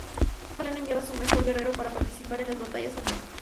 Cada clan enviaba a su mejor guerrero para participar en las batallas a muerte.